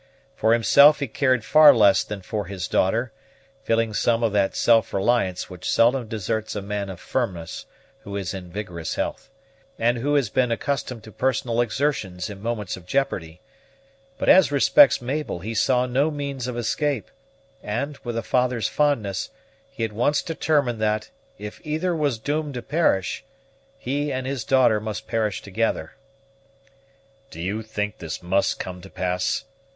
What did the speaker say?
For himself he cared far less than for his daughter, feeling some of that self reliance which seldom deserts a man of firmness who is in vigorous health, and who has been accustomed to personal exertions in moments of jeopardy; but as respects Mabel he saw no means of escape, and, with a father's fondness, he at once determined that, if either was doomed to perish, he and his daughter must perish together. "Do you think this must come to pass?"